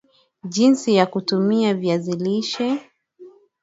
Jinsi ya kutumia viazi lishe